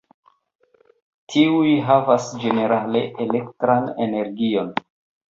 Tiuj havas ĝenerale elektran energion.